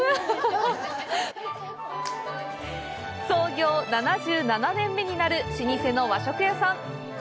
創業７７年目になる老舗の和食屋さん。